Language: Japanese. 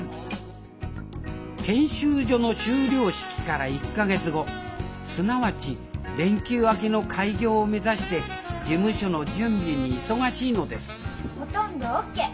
研修所の終了式から１か月後すなわち連休明けの開業を目指して事務所の準備に忙しいのですほとんどオッケー！